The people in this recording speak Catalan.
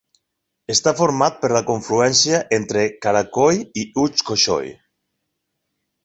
Està format per la confluència entre Karakol i Uch-Koshoy.